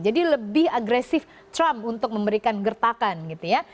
jadi lebih agresif trump untuk memberikan gertakan gitu ya